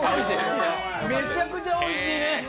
めちゃくちゃおいしいね！